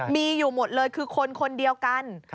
มีอยู่หมดเลยคือคนคนเดียวกัน